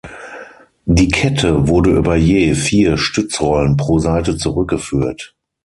Die Kette wurde über je vier Stützrollen pro Seite zurückgeführt.